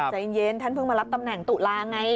ใจเย็นท่านเพิ่งมารับตำแหน่งตุลาไง